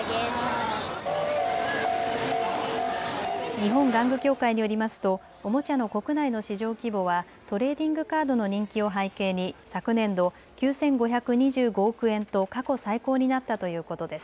日本玩具協会によりますとおもちゃの国内の市場規模はトレーディングカードの人気を背景に昨年度、９５２５億円と過去最高になったということです。